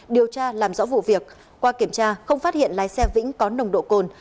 điều tra làm rõ vụ việc qua kiểm tra không phát hiện lái xe vĩnh có nồng độ cồn